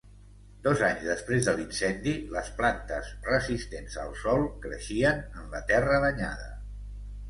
Dos anys després de l'incendi, les plantes resistents al sol creixien en la terra danyada.